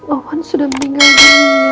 ovan sudah meninggalin dia